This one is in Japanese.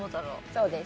そうです。